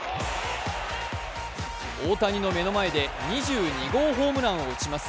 大谷の目の前で２２号ホームランを打ちます。